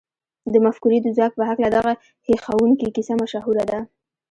د مفکورې د ځواک په هکله دغه هيښوونکې کيسه مشهوره ده.